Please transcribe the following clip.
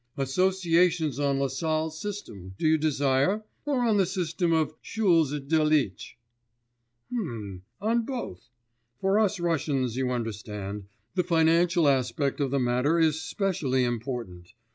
'Associations on Lassalle's system, do you desire, or on the system of Schulze Delitzsch?' 'Mmm ... on both. For us Russians, you understand, the financial aspect of the matter is specially important.